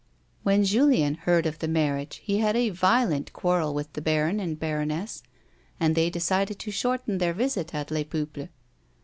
When Julien heard of the marriage he had a violent quarrel with the baron and baroness and they decided to shorten their visit at Les Peuples.